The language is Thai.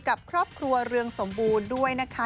กับครอบครัวเรืองสมบูรณ์ด้วยนะคะ